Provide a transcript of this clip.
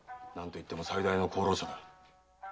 何といっても最大の功労者だ。